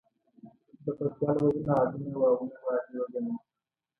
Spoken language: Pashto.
د پتيال وژنه عادي نه وه او نه به عادي وګڼل شي.